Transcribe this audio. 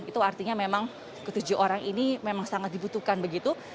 itu artinya memang ketujuh orang ini memang sangat dibutuhkan begitu